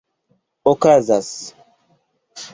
okazas